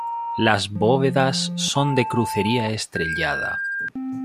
Las bóvedas son de crucería estrellada.